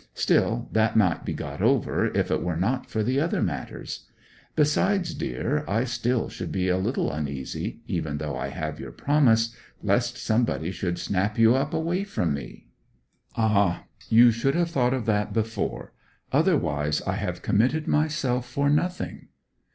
Still, that might be got over if it were not for the other matters. Besides, dear, I still should be a little uneasy, even though I have your promise, lest somebody should snap you up away from me.' 'Ah, you should have thought of that before. Otherwise I have committed myself for nothing.'